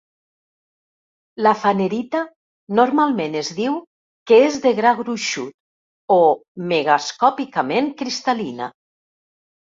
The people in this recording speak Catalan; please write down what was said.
La fanerita normalment es diu que és "de gra gruixut" o "megascòpicament cristal·lina".